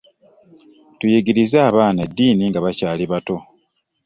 Tuyigirize abaana eddiini nga bakyali bato.